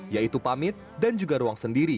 yaitu pamit dan juga ruang sendiri